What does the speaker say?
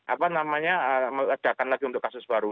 apa namanya meledakan lagi untuk kasus baru